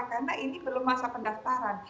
karena ini belum masa pendaftaran